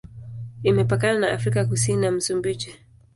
Imepakana na Afrika Kusini na Msumbiji.